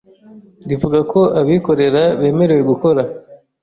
rivuga ko abikorera bemerewe gukora